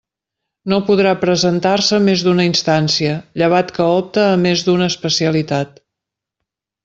No podrà presentar-se més d'una instància, llevat que opte a més d'una especialitat.